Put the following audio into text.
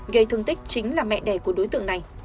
gây thương tích chính là mẹ đẻ của đối tượng này